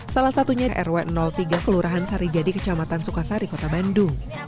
salah satunya rw tiga kelurahan sarijadi kecamatan sukasari kota bandung